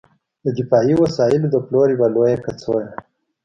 د دفاعي وسایلو د پلور یوه لویه کڅوړه